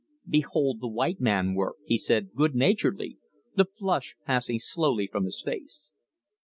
"Behold the white man work!" he said good naturedly, the flush passing slowly from his face.